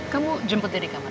kamu jemput dia di kamar